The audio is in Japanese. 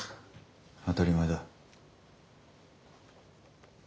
当たり前だ。